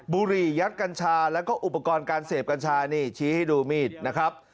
บุหรี่ยัดกัญชาแล้วก็อุปกรณ์การเสพกัญชานี่ชี้ให้ดูมีดนะครับ